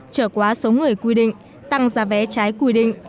trở quá số người quy định tăng giá vé trái quy định